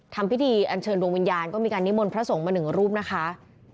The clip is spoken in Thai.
ทำพิธีอันเชิญดวงวิญญาณก็มีการนิมนต์พระสงฆ์มาหนึ่งรูปนะคะ